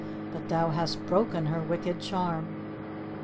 But thou hast broken her wicked charm."